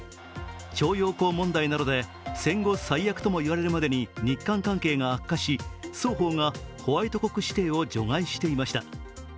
徴用工問題などで戦後最悪とも言われるまでに日韓関係が悪化し、双方がホワイト国指定を除外していました。